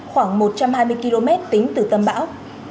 khoảng một trăm hai mươi km tính từ tâm bão